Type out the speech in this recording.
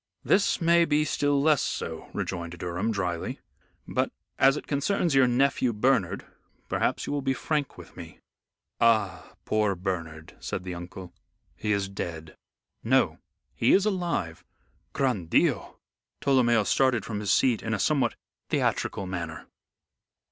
"This may be still less so," rejoined Durham, dryly; "but as it concerns your nephew Bernard, perhaps you will be frank with me." "Ah, poor Bernard!" said the uncle. "He is dead." "No. He is alive." "Gran Dio!" Tolomeo started from his seat in a somewhat theatrical manner.